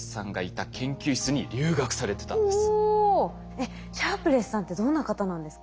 えっシャープレスさんってどんな方なんですか？